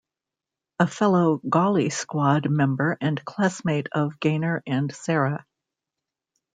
A fellow Gauli Squad member and classmate of Gainer and Sara.